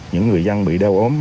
những người dân bị đau ốm